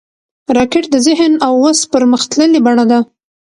راکټ د ذهن او وس پرمختللې بڼه ده